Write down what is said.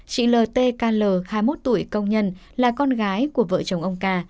chị ltkl hai mươi một tuổi công nhân là con gái của vợ chồng ông ca